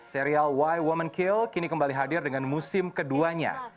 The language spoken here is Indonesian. serial why woman kill kini kembali hadir dengan musim keduanya